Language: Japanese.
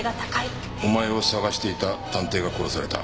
お前を捜していた探偵が殺された。